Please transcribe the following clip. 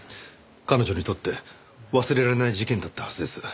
彼女にとって忘れられない事件だったはずです。